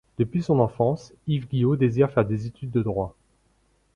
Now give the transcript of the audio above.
Depuis son enfance, Yves Guillot désire faire des études de droit.